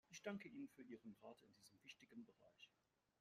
Ich danke Ihnen für Ihren Rat in diesem wichtigen Bereich.